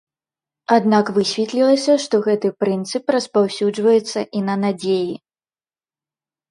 Аднак высветлілася, што гэты прынцып распаўсюджваецца і на надзеі.